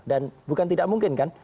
bukan tidak mungkin kan